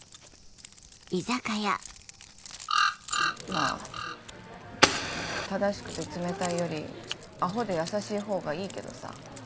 まぁ正しくて冷たいよりアホで優しいほうがいいけどさ。